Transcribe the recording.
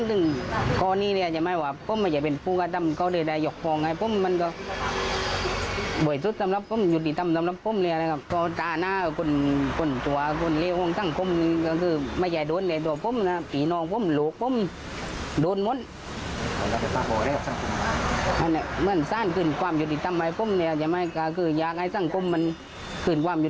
ทีนี้ค่ะพี่ชายของในแตมท์นี่ค่ะพี่ชายของในแตมในสายานหมื่นบานก็บอกว่า